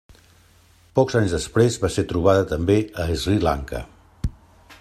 Pocs anys després va ser trobada també a Sri Lanka.